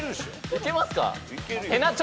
いけますか？